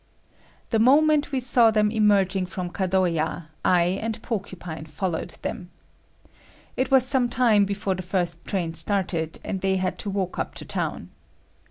The moment we saw them emerging from Kadoya, I and Porcupine followed them. It was some time before the first train started and they had to walk up to town.